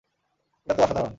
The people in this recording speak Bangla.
এটা তো অসাধারণ।